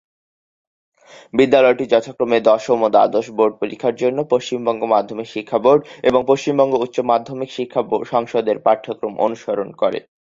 বিদ্যালয়টি যথাক্রমে দশম ও দ্বাদশ বোর্ড পরীক্ষার জন্য পশ্চিমবঙ্গ মাধ্যমিক শিক্ষা বোর্ড এবং পশ্চিমবঙ্গ উচ্চমাধ্যমিক শিক্ষা সংসদের পাঠ্যক্রম অনুসরণ করে।